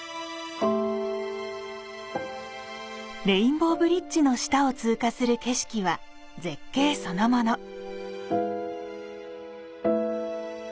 レインボーブリッジの下を通過する景色は絶景そのもの。